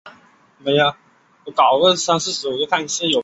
社会舆论对人大释法意见不一。